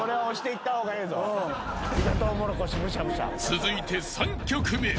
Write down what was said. ［続いて３曲目］